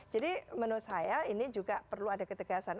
jadi menurut saya ini juga perlu ada ketegasan